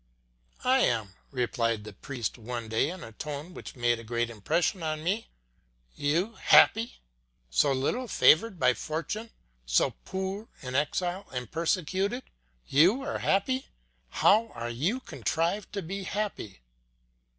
"I am," replied the priest one day, in a tone which made a great impression on me. "You happy! So little favoured by fortune, so poor, an exile and persecuted, you are happy! How have you contrived to be happy?"